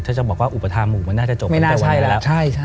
ถ้าจะบอกว่าอุปทาหมู่มันน่าจะจบไม่ได้วันนี้แล้ว